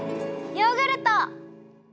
ヨーグルトかあ。